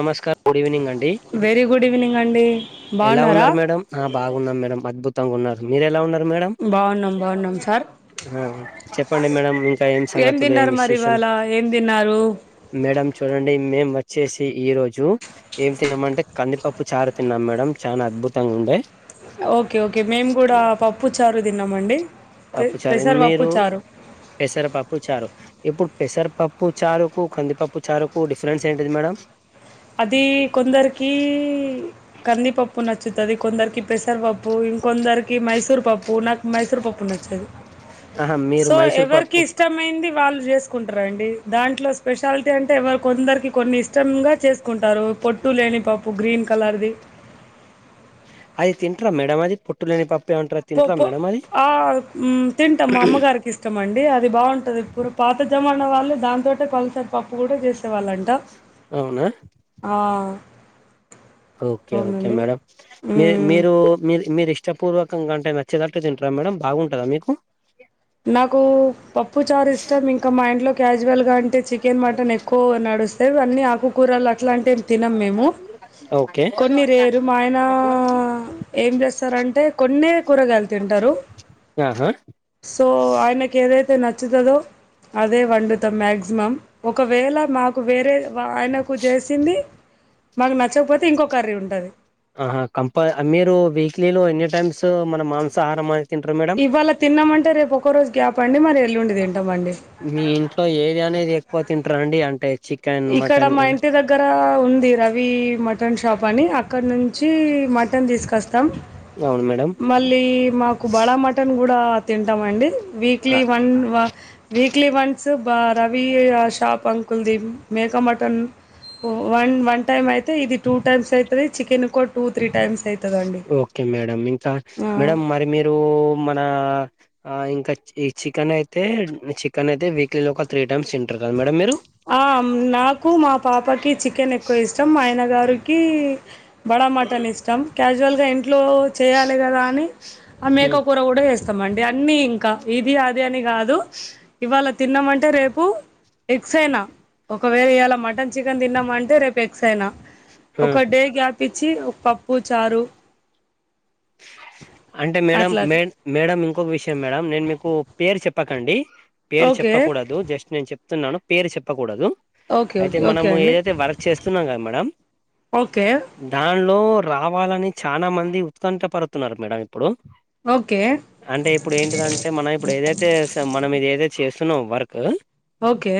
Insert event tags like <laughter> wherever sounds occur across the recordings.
నమస్కారం good evening అండి very good evening అండి ఎలా బాగున్నారా ఉన్నారు మేడం ఆ బాగున్నాం మేడం అద్భుత ఉన్నారు మీరు ఎలా ఉన్నారు మేడం బాగున్నాం బాగున్నాం సార్ ఆ చెప్పండి మేడం ఇంకా ఏం సంగతులు తిన్నారు మరి విశేషం ఇవాళ ఏం తిన్నారు మేడం చూడండి మేం వచ్చేసి ఈ రోజు ఏం తిన్నామంటే కందిపప్పు చారు తిన్నాం మేడం చాలా అద్భుతంగా ఉండే ఓకే ఓకే మేము కూడా పప్పు చారు తిన్నామండి పె పప్పు చారు పెసరపప్పు మీరు చారు పెసర పప్పు చారు ఇప్పుడు పెసరపప్పు చారుకు కందిపప్పు చారుకు డిఫరెన్స్ ఏంటిది మేడం అది కొందరికి కందిపప్పు నచ్చ ది కొందరికి పెసర్ పప్పు ఇంకొందరికి మైసూర్ పప్పు నాకు మైసూర్ పప్పు నచ్చ ఆహా మీరు సో మైసూర్ ఎవరికి పప్పు ఇష్టమైంది వాళ్ళు సుకుంటార అండి దాంట్లో స్పెషాలిటీ అంటే ఎ కొందరికి కొన్ని ఇష్టంగా చేస్ కుంటారు పొట్టు లేని పప్పు గ్రీన్ కలర్ది అది తింటరా మేడం అది పొట్టులేని పాప్ పో పో ఆ తింటాం మా అమ్మగారికి ఇష్టం అన్ అది బాగుంటది ఇప్పుడు పాత జమానా వాళ్ళు దాంతోేటే పలసరి పప్పు కూడా చేసేవాళ్ళ అంట అవునా ఓకే ఓకే అవునండి మేడం మీ మ్ మీరు మీ మీరుష్ నచ్చ పూర్వకంగా అంటే నచ్చేదట్టు తింటుర మేడం బాగుంటదా మీకు నాకు పప్పు చారు ఇష్టం ఇంకా మా ఇంట్లో కాజువల్గా అంటే చికెన్ మటన్ ఎక్కువ నడుస్తది అన్నీ ఆకుకూరలు అట్లాంటి తినం మేము ఓకే కొన్ని రేరు మా ఆయన ఏం చేస్తారంటే కొన్నే కూరగాయలు తింటారు ఆహా సో ఆయనకి ఏదైతే నచ్చుతదో అదే వండుత మ్యాక్సిమం ఒకవేళ మాకు వేరే ఆయనకు చేసింది మాకు నచ్చకపోతే ఇంకో కర్రీ ఉంటది ఆహా కంపల్ మీరు వీక్లీలో ఎన్ని టైమ్స్ మన మాంసాహారం అని తింటారు మేడం ఇవాళ తిన్నామంటే రేపు ఒకరోజు గ్యాప్ అండి మరి వెల్లుండి తిన్ మీ ఇంట్లో ఏది అనేది ఎక్కువ తింటారండి అంటేయి ఇక్కడ మా ఇంటి దగ్గర ఉంది రవి మటన్ షాప్ వని అక్కడ నుంచి మటన్ తీసుకొస్తాం అవును మేడం మళ్ళీ మాకు బడా మటన్ కూడా తింటాం అండి ఆ, వీక్లీ వన్ వ వీక్లీ వన్స్ బ రవి షాప్ అంకుల్ది మేక మటన్ ఓ వన్ వన్ టైమ్ అయితే ఇది టూ టైమ్స్ అయితది చికెను ఒకొ టూ త్రీ టైమ్స్ అయితదండి తా మేడం మరి మీరు మన ఆ ఇంకా ఈ చికెన్ అయితే చికెన్ అయితే వీక్లీ ఒక త్రీ టైమ్స్ తింటారు. గా మేడం మీరు ఆ నాకు మా పాపకి చికెన్ ఎక్కువ ఇష్టం ఆయన గారికి బడా మటన్ ఇష్టం క్యాజువల్గా ఇన్ ట్లో చేయాలి కదా అని ఆ మేక హ్మ్. కూర కూడా వస్తాం అండి అన్ని ఇంకా ఇది అది అని కాద్ కాదు ఇవాళ తిన్నామంటే రేపు ఎక్స్ అయినా ఒకవేర ఇవాళ మటన్ చికెన్ తిన్నామంటే రేపు ఎక్స్ అయినా ఆ. ఒక డే గ్యాప్ ఇచ్చి ఒక ప ప్పు చారు అంటే మేడం అట్లా మే అట్లా మేడం ఇంకొక విషయం మేడం నేను మీకు పేరు చెప్పకండి. పేరు ఓకే చెప్పకూడదు జస్ట్ నేను చెప్తున్నాను పేరు చెప్పకూడదు. ఓకే అయితే ఓకే ఓకే మనము అండి ఏదైతే వర్క్ చేస్తున్నాం కదా మేడమ్ ఓకే దాన్ ట్లో రావాలని చాలా మంది ఉత్కంఠ పడుతున్నారు మేడం ఇప్ ప్పుడు ఓకే అంటే ఇప్పుడు ఏంటిదంటే మనం ఇప్పుడు ఏదైతే మనం ఇది ఏదో చేస్తు న్నాం వర్కు ఓకే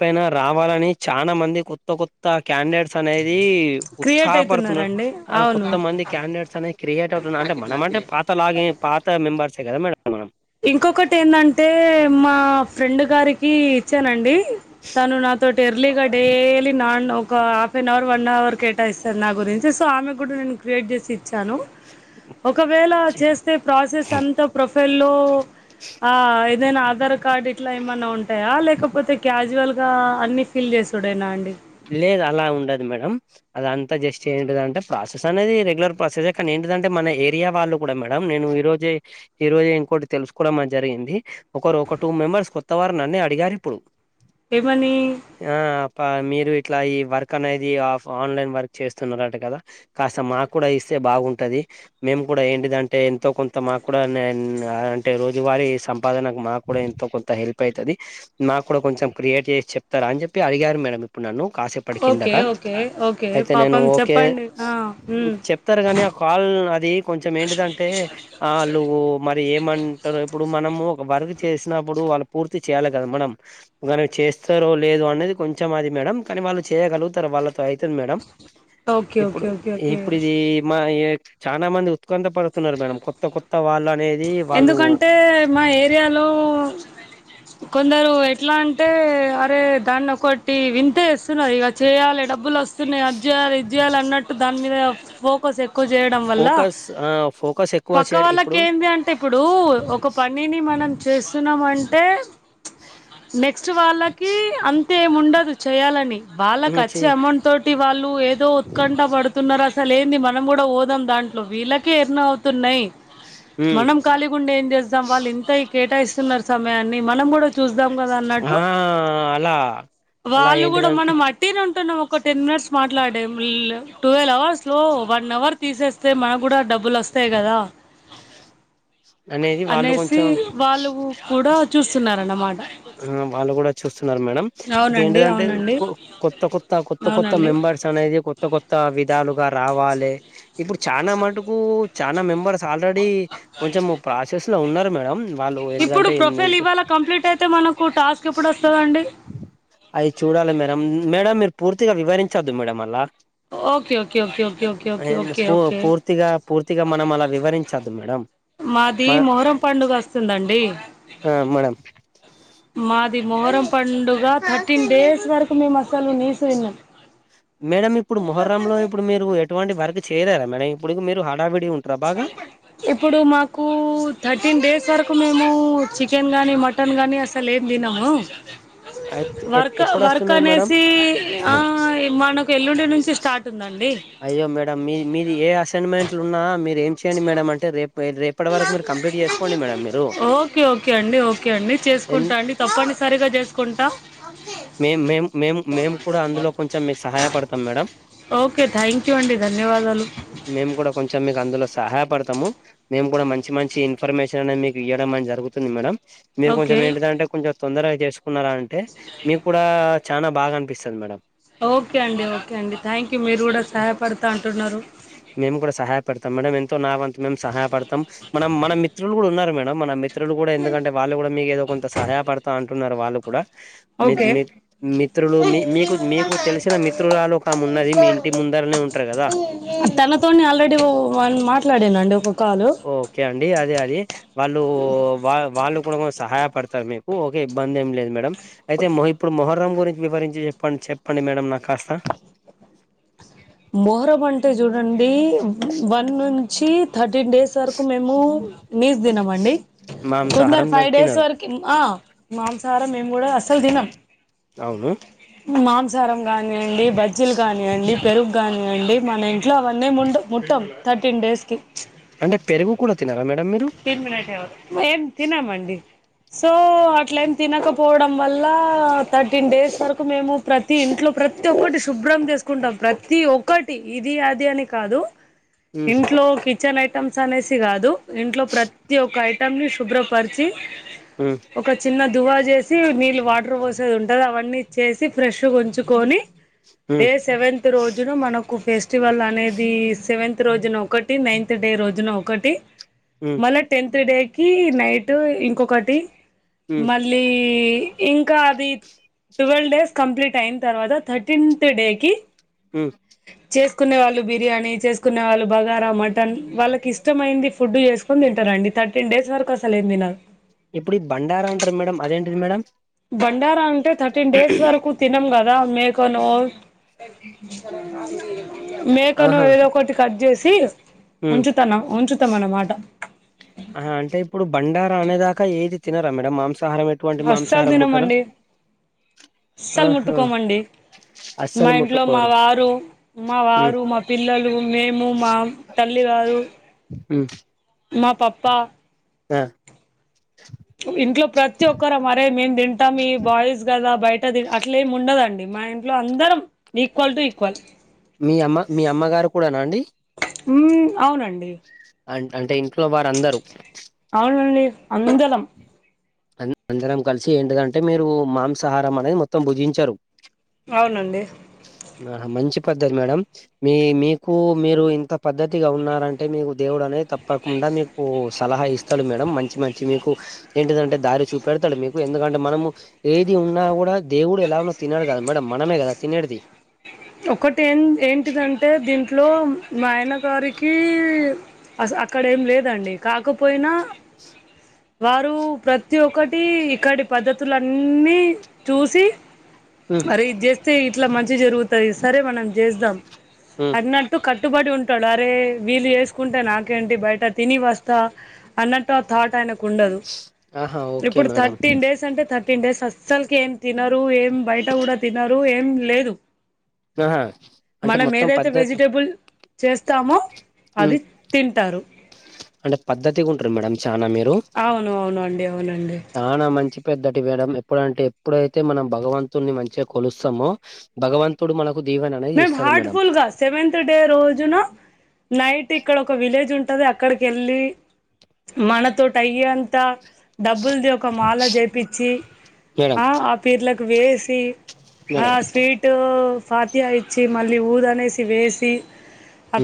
పెనా రావాలని చానా మంది కొత్త కొత్త క్యాండేట్స్ అనేది క్రియేట్ ఉత్సాహపడుతున్నారు అయితున్నారండి ఆ కొంత అవును మంది క్యాండిడేట్స్ అనేది క్రియేట్ అవ్ అంటే మనం అంటే పాత లాగినే పాత మెంబర్సే కదా మేడం మనం. ఇంకొకటి ఎందంటే మా ఫ్రెండ్ గారికి ఇచ్చానండి తను నాతోటి ఎర్లీగా డైలీ నాన్ ఒక half an hour one hour కేటాయిస్తారు నా గురించి సో ఆమె కూడా నేను క్రియేట్ చేసి ఇచ్చాను ఒకవేళ చేస్తే ప్రాసెస్ అంత ప్రొఫైల్ లో ఏదైనా ఆధార్ కార్డ్ ఇట్లా ఏమన్నా ఉంటాయా లేకపోతే క్యాజువల్ జువల్గా అన్ని ఫీల్ చేసిడేనా అండి లేదు అలా ఉండదు మేడం అదంతా జస్ట్ ఏంటిదంటే ప్రాసెస్ అనేది రెగ్యులర్ ప్రాసెసే కానీ ఏంటదంటే మన ఏరియా వాళ్ళు కూడా మేడం నేను ఈ రోజే ఈ రోజే ఇంకోటి తెలుసుకోవడం అది జరిగింది ఒకరు ఒక టూ మెంబర్స్ కొత్తవారు నన్నే అడిగారు. పీపుల్ ఏమని ఆ ప మీర్ ఇట్లా ఈ వర్క్ అనేది అఫ్ ఆన్లైన్ వర్క్ చేస్తున్నారట కదా కాస్త మాకు కూడా ఇస్తే బాగుంటది. మేము కూడా ఏంటిదంటే ఎంతో కొంత మాకు కూడా నేన్ ఆ అంటే రోజువారీ సంపాదనకు మాకు కూడా ఎంతో కొంత హెల్ప్ అయితది నాకు కూడా కొంచెం క్రియేట్ చేసి చెప్తారా అని చెప్పి అడిగారు మేడం. కాసేపడి ఓకే కిందట ఓకే ఓకే అయితే నేను పాపం ఓకే చెప్పండి ఆ ఉమ్ చెప్తారు కానీ ఆ కాల్ అది కొంచెం ఏంటిదంటే ఆళ్ళు మరి ఏమంటారు ఇప్పుడు మనం ఒక వర్క్ చే చేసినప్పుడు వాళ్ళు పూర్తి చేయాలి కదా మనం గాను చేస్తారో లేదో అనేది కొంచెం అది మేడం కానీ వాళ్ళు చేయగలుగుతారు వాళ్ళ అయితది మేడం ఓకే ఇప్పుడు ఓకే ఓకే ఓకే ఇప్పుడు ఇది మా ఈ చాలా మంది ఉత్కంఠ పడ వొత్తున్నారు మేడం కొత్త కొత్త వాళ్ళు అనేది వాళ్ళు ఎందుకంటే మా ఏరియాలో కొందరు ఎట్లా అంటే అరే దాన్ని ఒకటి వింతే ఇస్తున్నారు ఇక చేయాలి. డబ్బులు వస్తున్నాయి అది చేయాలి ఇది చేయాలి అన్నట్టు దాని మీద ఫోకస్ ఎక్కువ ఎక్కువ చేయడం వల్ల ఫోకస్ ఆ ఫోకస్ ఎక్కువ పక్క చేయడు వాళ్ళకి ఇప్పుడు ఏంది అంటే ఇప్పుడు ఒక పనిని మనం చేస్తున్నాం అంటే నెక్స్ట్ వాళ్ళకి అంతేమిండదు చేయాలని. వాళ్ళకి చి అచ్చే అమౌంట్ తోటి వాళ్ళు ఏదో ఉత్కంఠ పడుతున్నారు. అసలు ఏంది మనం కూడా పోదాం దాంట్లో వీళ్ళకే ఎన్నో అవుతున్నాయి. మనం ఖాళీ గుండి ఏం చేద్దాం వాళ్ళు ఇంత ఈ కేటాయిస్తున్నారు సమయాన్ని. మనం కూడా చూద్దాం. కదా అన్నట్టు ఆ అలా అలా వాళ్ళు కూడా ఏంటిదంటే మనం అట్టినాం ఒక టెన్ మినిట్స్ మాట్లాడే ట్వెల్వ్ అవర్స్ లో వన్ అవర్ తీసేస్తే మనకు కూడా డబ్బులు వస్తాయి. వస్తాయి కదా అనేది వాళ్ళు అనేసి కొంచెం వాళ్ళు కూడా చూస్తున్నారు అన్నమాట. ఆ వాళ్ళు కూడా చూస్తున్నారు మేడమ్ అయితే అవునండి ఏంటిదంటే అవునండి కొత్త కొత్త కొత్త కొత్త అవునండి మెంబెర్స్ అనేది కొత్త కొత్త విధాలు రావాలి ఇప్పుడు చాలా మటుకు చాలా మెంబర్స్ ఆల్రెడీ కొంచెం ప్రాసెస్ లో ఉన్నారు మేడమ్. వాళ్ళు ఇప్పుడు ఏంటిదంటే ప్రొఫైల్ ఇవాళ కంప్లీట్ అయితే మనకు టాస్క్ ఎప్పుడు వస్తదండి అయి చూడాలి మేడమ్. మేడమ్ మీరు పూర్తిగా వివరించవద్దు మేడమ్ అలా okay okay okay okay okay okay okay పూ ఓకే పూర్తిగా పూర్తిగా మనం అలా వివరించద్దు మేడమ్ మాది మొహరం పండుగ వస్తుందండి. ఆ మేడం మాది మొహరం పండుగ థర్టీన్ డేస్ వరకు మేము అసలు నీస్ తినం. మేడం, ఇప్పుడు మొహర్ర లో ఇప్పుడు మీరు ఎటువంటి వర్క్ చేయలేరా మేడం? ఇప్పుడిక మీరు హడావిడి ఉంటారా బాగా ఇప్పుడు మాకు థర్టీన్ డేస్ వరకు మేము చికెన్ చికెన్ గానీ మటన్ కాగానీ అసలు ఏం తినము. <inaudible> వర్క్ ఎప్పుడు వర్క్ వస్తున్నది మేడం అనేసి ఆ మనకు ఎల్లుండి నుంచి స్టార్ట్ ఉందండి అయ్యో మేడం మీ మీది ఏ అసైన్మెంట్లు ఉన్నా మీరు ఏం చేయండి మేడం అంటే రేపు రేపటి వరకు మీరు కంప్లీట్ చేసుకోండి మేడం మీరు ఓకే ఓకే అండి ఓకే అండి చే చేసుకుంటా అండి తప్పనిసరిగా చేసుకుంటా. మే మేము మేము మేము కూడా అందులో కొంచెం మీకు సహాయపడతాం మేడం. ఓకే థ్యాంక్ యూ అండి ధన్యవాదాలు మేము కూడా కొంచెం మీకు అందులో సహాయపడతాము. మేము కూడా మంచి మంచి ఇన్ఫర్మేషన్ అనేది మీకు ఇవ్వడం అని జరుగుతుంది మేడం. మీరు కొంచెం ఓకే ఏంటిదంటే కొంచెం తొందరగా చేసుకున్నారా అంటే మీకు కూడా చానా బాగా అనిపిస్తాది మేడం. ఓకే అండి ఓకే అండి థ్యాంక్ యు మీరు కూడా సహాయపడతా అంటున్నారు. మేము కూడా సహాయపడతాం మేడం ఎంత నా వంతు సహయపడతాం. మనం మన మిత్రులు కూడా ఉన్నారు మేడం. మన మిత్రులు కూడా ఎందుకంటే వాళ్ళు కూడా మీకు ఏదో కొంత సహాయపడతా అంటున్నారు వాళ్ళు కూడా మీ ఓకే మీ మిత్రులు మీ మీకు మీకు తెలిసిన మిత్రులరాలు ఒక ఆమె ఉన్నది మీ ఇంటి ముందర. తనతోని ఆల్రెడీ మాట్లాడినానండి. ఓకే అండి. అదే అది వాళ్ళు వా వాళ్ళు ఇప్పుడు సహాయపడతారు మీకు. ఓకే ఇబ్బంది ఏం లేదు మేడం అయితే ఇప్పుడు మొహర్రం గురించి వివరించి చెప్పండి. చెప్పండి మేడం నాకు కాస్తా. <inaudible> మొహరం అంటే చూడండి వన్ నుంచి థర్టీన్ డేస్ వరకు మేము నీస్ తినమండి కొందరు మాంసాహారం ఫైవ్ డేస్ తినరు వరకి ఆ మాంసాహారం మేము కూడా అసలు దినం అవును మాంసాహరం కానియండి బజ్జీలు కానియండి పెరుగు కానివ్వండి మనం ట్లా అవన్నీ ముండ మట్టం థర్టీన్ డేస్కి అంటే పెరుగు కూడ ఏం తినమండి సో అట్లెం తినకపోవడం వల్ల థర్టీన్ డేస్ వరకు మేము ప్రతి ఇంట్లో ప్రతి ఒక్కటి శుభ్రం చేసుకుంటాం ప్రతి ఒక్కటి ఇది అది అని కాదు ఉమ్, ఇంట్లో కిచెన్ ఐటమ్స్ అనేసి కాదు ఇంట్లో ప్రతి ఒక్క ఐటం ని శుభ్రపరిచి ఉమ్, ఒక చిన్న దువా చేసి నీళ్ళు వాటర్ పోసేది ఉంటది అవన్నీ చేసి ఫ్రెష్ గా ఉంచుకొని డే ఉమ్, సెవెంత్ రోజును మనకు ఫెస్టివల్ అనేది సెవెంత్ రోజున ఒకటి నైన్త్ డే రోజున ఒకటి ఉమ్, మళ్ళా టెన్త్ డే కి నైట్ ఇంకొకటి ఉమ్, మళ్ళీ ఇంకా అది ట్వెల్వ్ డేస్ కంప్లీట్ అయిన తర్వాత థర్టీన్త్ డే కి ఉ కునే వాళ్ళు బిర్యానీ చేసుకునే వాళ్ళు బగారా మటన్ వాళ్ళకి ఇష్టమైంది ఫుడ్ చేసు తింటరండి థర్టీన్ డేస్ వరకు అసలేం తినరు ఇప్పుడు ఈ బండార అంటారు మేడం అదేంటిది మేడం బండారా అంటే థర్టీన్ డేస్ వరకు తినం కదా మేకనో మేకనో ఆహా ఏదో ఒకటి కట్ చేసి ఉమ్, ఉంచితన ఉంచతమనమాట ఆ అంటే ఇప్పుడు బండారా అనేదాకా ఏది తినారా మేడం మాంస సాహారం ఎటువంటి అస్సలు మాంసాహారం ముట్టరు తినమండి అస్సలు ఆహా ముట్టుకోమండి మా అస్సలు ఇంట్లో మా ముట్టుకోరు వారు మా మ్మ్ వారు మా పిల్లలు మేము మా తల్ తల్లి గారు ఉ మా పప్పా ఆ ఇంట్లో ప్రతి ఒక్కరం ఆరే మేము తింటాం ఈ బాయ్స్ కదా బయట తి అట అట్లెం ఉండదండి మా ఇంట్లో అందరం ఈక్వల్ టు ఈక్వల్ మీ అమ్మ మీ అమ్మగారు కూడానా అండి ఊ అవునండి అ అంటే ఇంట్లో వారందరు అందలం అన్ అందరం కలిసి ఏంటిదంటే మీరు మాంసాహారం అనేది మొత్తం భుజించరు అవునండి పద్ద్దతి మేడం మీ మీకు మీరు ఇంత పద్ద్దతిగా ఉన్నారంటే మీకు దేవుడు అనేది తప్పకుండ మీకు సలహా ఇస్తడు మేడం మంచి మంచి మీకు ఎంటిదంటే దారి చూపెడతాడు మీకు ఎందుకంటే మనము ఏది ఉన్నా కూడా దేవుడు ఎలానో తినడు కద మేడం మనమే కదా తినేటిది ఒకటి ఏం ఏంటిదంటే దీంట్లో మాయనగారికి అస అక్కడ ఏం లేదండి కాకపోయినా వారు ప్రతి ఒక్కటి ఇక్కడి పద్ధతులన్నీ చూసి మ్మ్ అరే ఇది చేస్తే ఇట్లా మంచి జరుగుతది సరే మనం చేద్దాం మ్మ్ అన్నట్టు కట్ కట్టుబడి ఉంటాడు అరే వీళ్లు చేసుకుంటే నాకేంటి బయట తిని వస్తా అన్నట్టు ఆ థాట్ ఆయన ఉండదు ఆహా ఓకే ఇప్పుడు మేడం థర్టీన్ డేస్ అంటే థర్ తిన్డేస్ అస్సలకి ఏం తినరు ఏం బయట కూడా తినరు ఏం లేదు ఆ మనం ఏదైతే వెజిటబుల్ చేస్తామో మ్మ్ అది తింటారు అంటే పద్ధతిగా ఉంటారు మేడం చనా మీరు అవును అవును అండి అవునండి చానా మంచి పెద్దటి వేడం ఎప్పుడంటే ఎప్పుడైతే మనం భగవంతుడిని మంచిగా కొలుస్తామో భగవంతుడు మనక్ మేము హార్ట్ఫుల్ గా సెవెంత్ డే రోజున నైట్ ఇక్కడ ఒక విలేజ్ ఉ ఉంటది అక్కడికి ఎళ్ళి మనతోటి అయ్యే అంత డబ్బుల్ది ఒక మాల జేపిచ్చి మేడం ఆ ఆ పీర్లకు వేసి ఆ మేడం స్వీటు ఫాతిహ ఇచ్చి మళ్ళీ ఊద్ అనేసి వేసి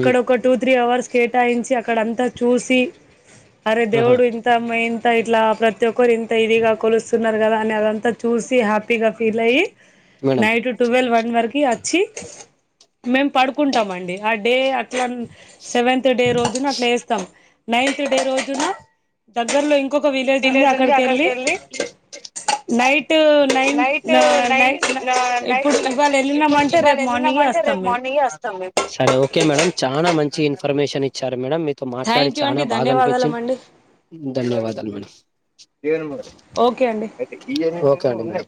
ఉమ్ ఒక టూ త్రీ అవర్స్ కేటాయించి అక్కడంతా చూసి అరే ఆహా దేవుడు ఇంత అమ్మ ఇంత ఇట్లా ప్రతి ఒక్క ఒక్కరు ఇంత ఇదిగా కొలుస్తున్నారు కదా అని అదంతా చూసి హ్యాపీగా ఫీల్ అయ్యి మేడం నైట్ ట్వెల్వ్ వన్ వరకి వచ్చి మేమ్ పడుకుంటామండి ఆ డే అట్లా సెవెంత్ డే రోజున అట్లా వేస్తాం నైన్త్ డే రోజున దగ్గర్లో ఇంకొక విలేజ్ ఉంది అక్కడికి ఎళ్ళి నైట్ నైన్ నైట్ న నై నైన్ నైట్ ఇప్పుడు ఇవాళ ఇప్పుడు వెళ్ళినమంటే ఇవాళ ఎళ్ళినమంటే రేపు మార్నింగే వస్తం మేమ సరే ఓకే మేడం చాలా మంచి చి ఇన్ఫర్మేషన్ ఇచ్చారు మేడం మీతో మాట్లాడి థ్యాంక్ యూ చాలా అండి బాగా అనిపించింది ధన్యవాదాలమండి ధన్యవాదాలు మేడం ఒకే ఓకే అండి అండి మరి